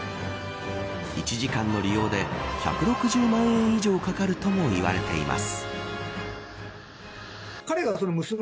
１時間の利用で１６０万円以上かかるとも言われています。